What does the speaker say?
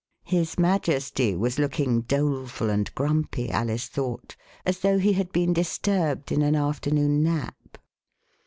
His Majesty was looking doleful and grumpy, Alice thought, as though he had been disturbed in an afternoon nap.